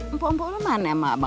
empuk empuk lu mana mbak